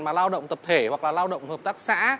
mà lao động tập thể hoặc là lao động hợp tác xã